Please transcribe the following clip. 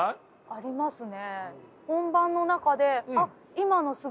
ありますね。